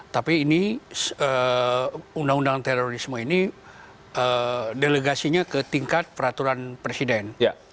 tapi ini undang undang terorisme ini delegasinya ke tingkat peraturan presiden